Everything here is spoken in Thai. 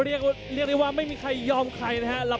เรียกได้ว่าไม่มีใครยอมใครนะครับ